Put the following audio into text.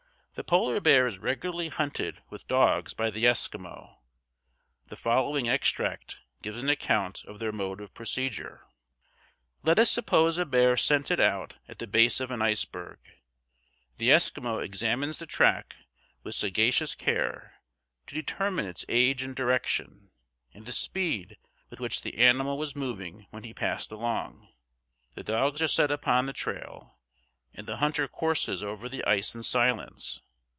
"The Polar bear is regularly hunted with dogs by the Eskimo. The following extract gives an account of their mode of procedure: "Let us suppose a bear scented out at the base of an iceberg. The Eskimo examines the track with sagacious care, to determine its age and direction, and the speed with which the animal was moving when he passed along. The dogs are set upon the trail, and the hunter courses over the ice in silence.